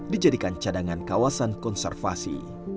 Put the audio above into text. dijadikan cadangan kawasan konservasi